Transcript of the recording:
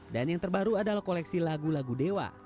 dan yang terbaru adalah koleksi lagu lagu dewa